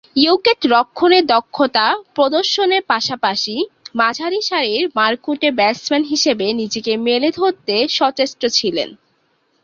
উইকেট-রক্ষণে দক্ষতা প্রদর্শনের পাশাপাশি মাঝারিসারির মারকুটে ব্যাটসম্যান হিসেবে নিজেকে মেলে ধরতে সচেষ্ট ছিলেন।